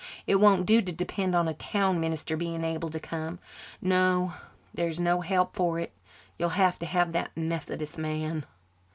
It won't do to depend on a town minister being able to come. No, there's no help for it. You'll have to have that Methodist man."